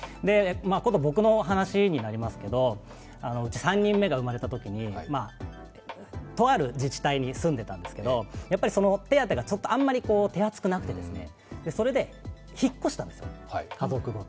僕の話になりますが、うち、３人目が生まれたときに、とある自治体に住んでいたんですけど、手当があまり手厚くなくて、それで引っ越したんですよ、家族ごと。